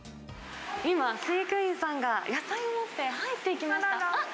今、飼育員さんが野菜を持って入っていきました。